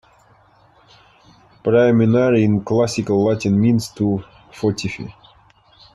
"Praemunire" in classical Latin means "to fortify".